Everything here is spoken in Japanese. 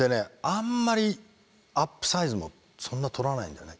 あんまりアップサイズもそんな撮らないんだよね。